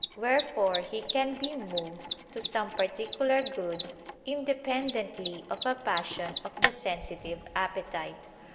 Wherefore he can be moved to some particular good independently of a passion of the sensitive appetite.